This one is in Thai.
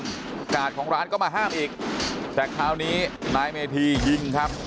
กาดของร้านก็มาห้ามอีกแต่คราวนี้นายเมธียิงครับ